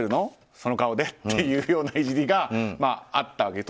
その顔で？っていういじりがあったと。